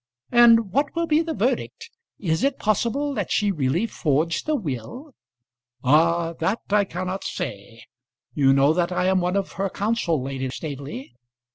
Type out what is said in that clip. "And what will be the verdict? Is it possible that she really forged the will?" "Ah! that I cannot say. You know that I am one of her counsel, Lady Staveley?"